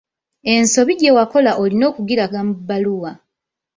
Ensobi gye wakola olina okugiraga mu bbaluwa.